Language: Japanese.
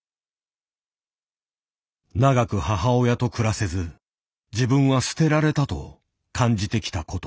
長く母親と暮らせず自分は捨てられたと感じてきたこと。